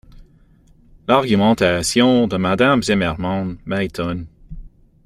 L’argumentation de Madame Zimmermann m’étonne.